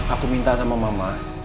aku minta sama mama